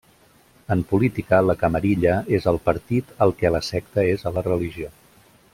En política, la camarilla és al partit el que la secta és a la religió.